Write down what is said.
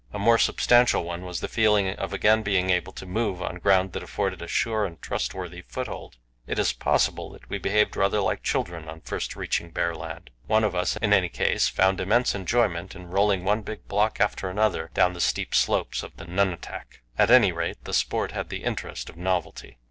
A more substantial one was the feeling of again being able to move on ground that afforded a sure and trustworthy foothold. It is possible that we behaved rather like children on first reaching bare land. One of us, in any case, found immense enjoyment in rolling one big block after another down the steep slopes of the nunatak. At any rate, the sport had the interest of novelty.